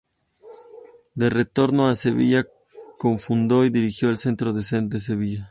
De retorno a Sevilla, cofundó y dirigió el Centro Zen de Sevilla.